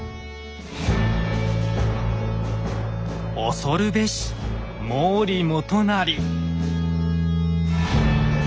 恐るべし毛利元就！